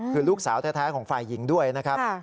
คือลูกสาวแท้ของฝ่ายหญิงด้วยนะครับ